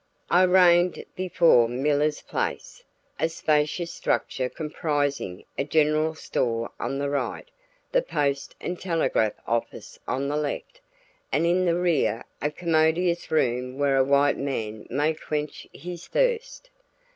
I reined in before "Miller's place," a spacious structure comprising a general store on the right, the post and telegraph office on the left, and in the rear a commodious room where a white man may quench his thirst.